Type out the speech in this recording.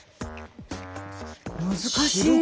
難しい。